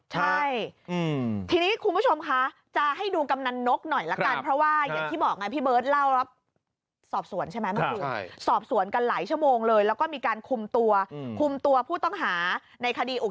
ใช่อืมทีนี้คุณผู้ชมคะจะให้ดูกำนันนกหน่อยละกัน